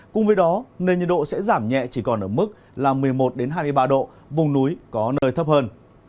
cùng với đó nền nhiệt độ sẽ giảm nhẹ chỉ còn ở mức một mươi một hai mươi ba độ vùng núi có nơi thấp hơn